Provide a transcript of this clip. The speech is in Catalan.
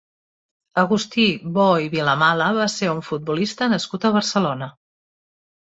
Agustí Bó i Vilamala va ser un futbolista nascut a Barcelona.